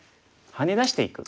ハネ出していく。